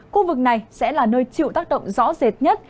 khu vực này sẽ là nơi chịu tác động rõ rệt nhất